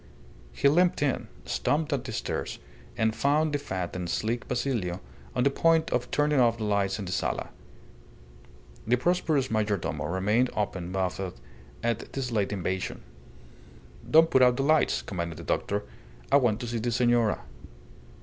He limped in, stumped up the stairs, and found the fat and sleek Basilio on the point of turning off the lights in the sala. The prosperous majordomo remained open mouthed at this late invasion. "Don't put out the lights," commanded the doctor. "I want to see the senora."